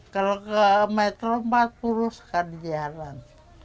kalau ke metro empat puluh sekali jalan